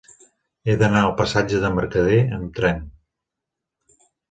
He d'anar al passatge de Mercader amb tren.